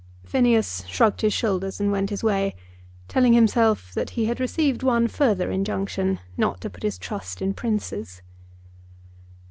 Phineas shrugged his shoulders and went his way, telling himself that he had received one further injunction not to put his trust in princes.